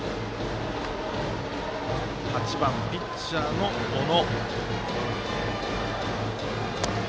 バッター８番ピッチャーの小野。